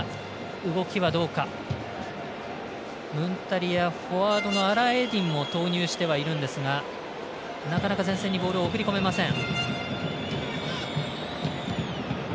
ムンタリやフォワードのアラーエディンも投入してはいるんですがなかなか前線にボールを送り込めません。